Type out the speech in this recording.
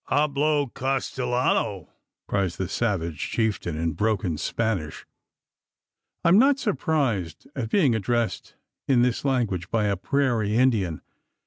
"Hablo Castellano?" cries the savage chieftain in broken Spanish. I am not surprised at being addressed in this language by a prairie Indian.